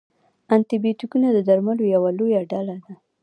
انټي بیوټیکونه د درملو یوه لویه ډله ده.